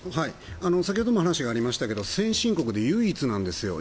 先ほども話がありましたが先進国で唯一なんですよ。